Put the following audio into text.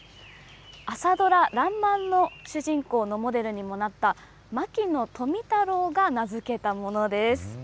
朝ドラ、らんまんの主人公のモデルにもなった、牧野富太郎が名付けたものです。